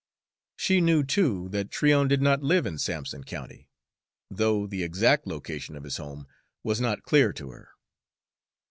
She knew, too, that Tryon did not live in Sampson County, though the exact location of his home was not clear to her.